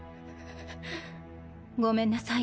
ごめんなさい